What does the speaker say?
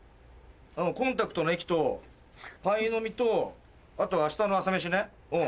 コンタクトの液とパイの実とあと明日の朝飯ね。